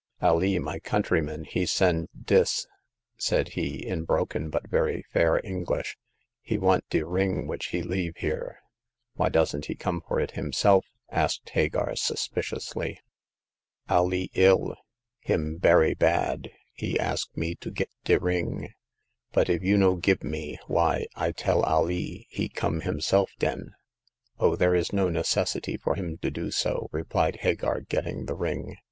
Alee, my countryman, he send dis," said he, in broken but very fair English; he want de ring which he leave here." Why doesn't become for it himself ?" asked Hagar, suspiciously. Alee ill ; him bery bad ; he ask me to get de ring. But if you no gib me — why, I tell Alee ; he come himself den." Oh, there is no necessity for him to do so," replied Hagar, getting the ring.